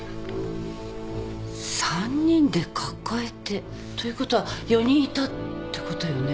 ３人で抱えて。ということは４人いたってことよね。